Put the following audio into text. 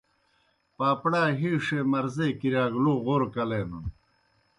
پاپڑا ہیشے مرضے کِرِیا گہ لو غورہ کلینَن۔